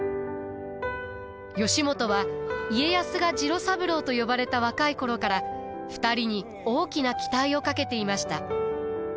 義元は家康が次郎三郎と呼ばれた若い頃から２人に大きな期待をかけていました。